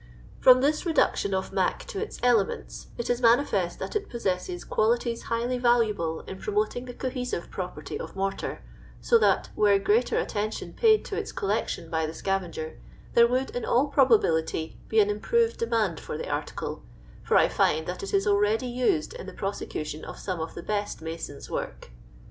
From this reduction of " mac " to its elements, it is manifest that it possesses qualities highly valuable in promoting the cohesive property of mortar, so that, were greater attention paid to its collection by the sciivenger, there would, in all probability, be an improved demand for the article, for I find that it is already used in the prosecution of some of the best masons* work.